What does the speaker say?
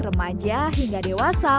remaja hingga dewasa